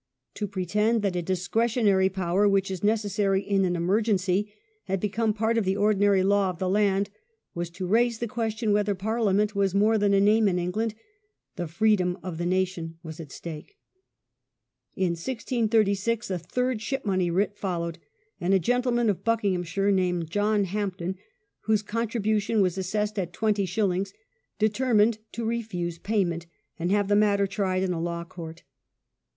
To pretend that a discretionary power, which is necessary in an emergency, had become part of the ordinary law of the land, was to raise the question whether Parliament was more than a name in England. The freedom of the nation was at stake. In 1636 a third Ship money writ followed, and a gentleman of Buckinghamshire, named John Hampden, whose contribution was assessed at twenty wouidEne shillings, determined to refuse payment and landsubrnft? have the matter tried in a law court.